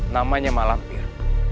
namanya malam pir